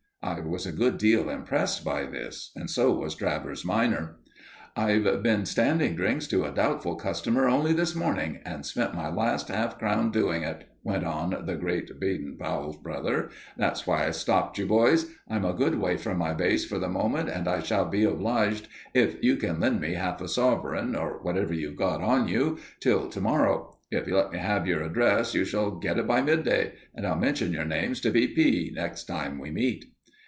I was a good deal impressed by this, and so was Travers minor. "I've been standing drinks to a doubtful customer only this morning, and spent my last half crown doing it," went on the great Baden Powell's brother. "That's why I stopped you boys. I'm a good way from my base for the moment, and I shall be obliged if you can lend me half a sovereign, or whatever you've got on you, till to morrow. If you let me have your address, you shall get it by midday; and I'll mention your names to 'B. P.' next time we meet."